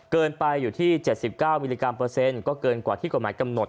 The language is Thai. เกินไปอยู่ที่๗๙มิลลิกรัมเปอร์เซ็นต์ก็เกินกว่าที่กฎหมายกำหนด